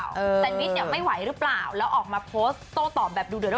แต่มิสเนี่ยไม่ไหวหรือเปล่าแล้วออกมาโพสต์โต้ตอบแบบดูเดือด